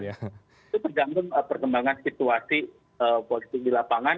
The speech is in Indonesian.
itu tergantung perkembangan situasi politik di lapangan